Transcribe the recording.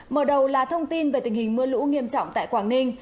mở đầu là thông tin về tình hình mưa lũ nghiêm trọng tại quảng ninh